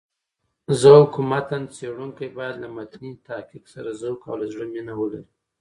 ذوق متن څېړونکی باید له متني تحقيق سره ذوق او له زړه مينه ولري.